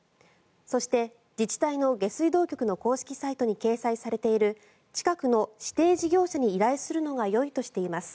そして、自治体の下水道局の公式サイトに掲載されている近くの指定事業者に依頼するのがよいとしています。